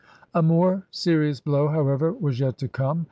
A more serious blow, however, was yet to come.